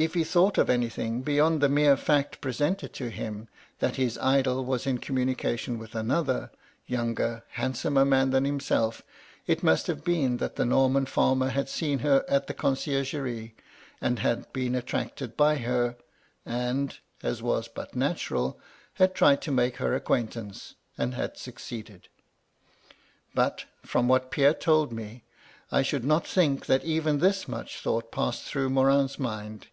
K he thought of anything beyond the mere fact presented to him, that his idol was in communication with another, younger, handsomer man than himself, it must have been that the Norman fanner had seen her at the con ciergerie, and had been attracted by her, and, as was but natural, had tried to make her acquintance, and had succeeded. But, from what Pierre told me, I should not think that even this much thought passed through Morin's mind.